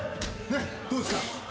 ねっどうですか？